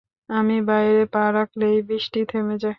আমি বাইরে পা রাখলেই বৃষ্টি থেমে যায়।